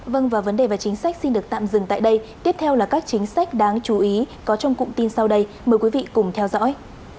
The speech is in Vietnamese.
vâng và vấn đề và chính sách xin được tạm dừng tại đây tiếp theo là các chính sách đáng chú ý có trong cụm tin sau đây mời quý vị cùng theo dõi